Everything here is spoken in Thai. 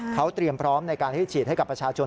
เขาเตรียมพร้อมในการที่จะฉีดให้กับประชาชน